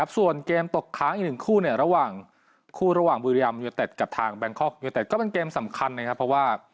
ส่วนเกมตกค้างอีกคู่เนี่ยก็เป็นเกมสำคัญนะครับ